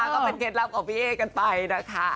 เออนะคะก็เป็นเกร็ดลับของพี่เอ๊กันไปนะคะ